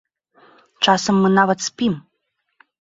Часам мы нават спім!